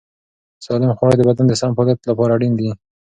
سالم خواړه د بدن د سم فعالیت لپاره اړین دي.